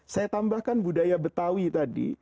saya tambahkan budaya betawi tadi